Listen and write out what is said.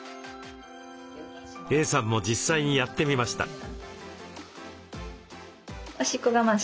Ａさんも実際にやってみました。